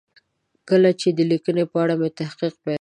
کله چې د لیکنې په اړه مې تحقیق پیل کړ.